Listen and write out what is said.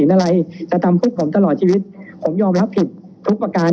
อะไรจะทำพวกผมตลอดชีวิตผมยอมรับผิดทุกประการ